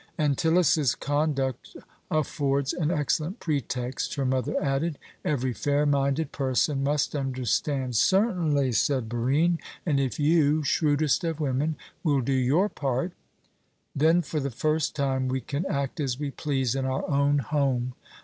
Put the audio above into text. "Antyllus's conduct affords an excellent pretext," her mother added. "Every fair minded person must understand " "Certainly," said Barine, "and if you, shrewdest of women, will do your part " "Then for the first time we can act as we please in our own home.